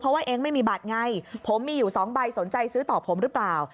เพราะว่าเองไม่มีบัตรไงผมมีอยู่๒ใบสนใจซื้อต่อผมหรือเปล่า